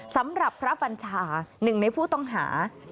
สำหรับพระบัญชาหนึ่งในผู้ต้องหา